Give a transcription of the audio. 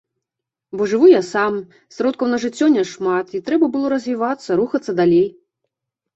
Бо жыву я сам, сродкаў на жыццё няшмат і трэба было развівацца, рухацца далей.